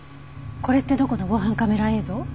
これってどこの防犯カメラ映像？